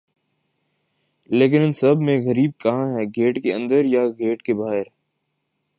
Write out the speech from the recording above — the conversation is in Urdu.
لیکن ان سب میں غریب کہاں ہے گیٹ کے اندر یا گیٹ کے باہر